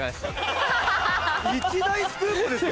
一大スクープですよ？